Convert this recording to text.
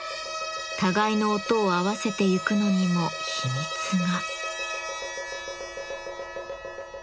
互いの音を合わせてゆくのにも秘密が。